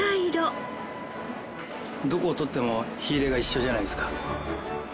どこをとっても火入れが一緒じゃないですか。